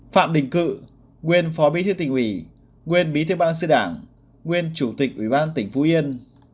phạm đình cự nguyên phó bí thư tỉnh ủy nguyên bí thư ban sự đảng nguyên chủ tịch ủy ban tỉnh phú yên